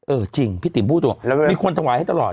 จริงพี่ติ๋มพูดตรงมีคนถวายให้ตลอด